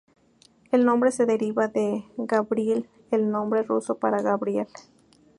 El nombre se deriva de "Gavril", el nombre ruso para Gabriel.